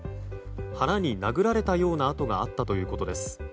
腹に殴られたような痕があったということです。